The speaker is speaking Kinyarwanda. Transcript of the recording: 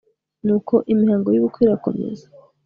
nuko imihango y'ubukwe irakomeza